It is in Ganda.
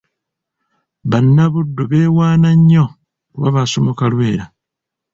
Bannabuddu beewaana nnyo kuba baasomoka Lwera.